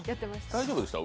大丈夫でした？